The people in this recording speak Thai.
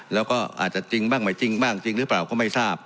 แล้วก็อาจจะจริงบ้างไม่จริงบ้างจริงหรือเปล่าก็ไม่ทราบ